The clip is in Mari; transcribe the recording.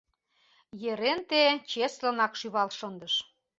— Еренте чеслынак шӱвал шындыш.